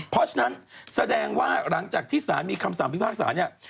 เพราะฉะนั้นแสดงว่าหลังจากที่สารมีคำสั่งมีภาคสาร